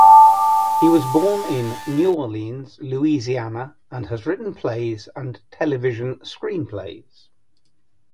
He was born in New Orleans, Louisiana and has written plays and television screenplays.